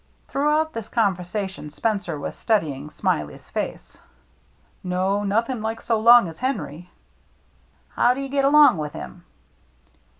" Throughout this conversation Spencer was studying Smiley's face. " No, nothing like so long as Henry." " How do you get along with him